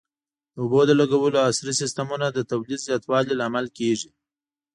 د اوبو د لګولو عصري سیستمونه د تولید زیاتوالي لامل کېږي.